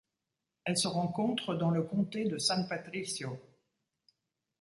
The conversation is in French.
Elle se rencontre dans le comté de San Patricio.